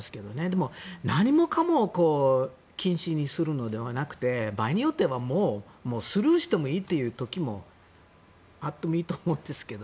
でも、何もかも禁止にするのではなくて場合によってはスルーしてもいいという時もあってもいいと思うんですが。